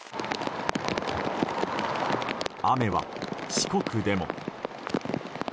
雨は、四国でも。